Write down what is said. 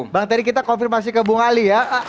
bang terry kita konfirmasi ke bung ali ya